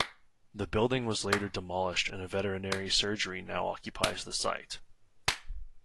The building was later demolished and a veterinary surgery now occupies the site.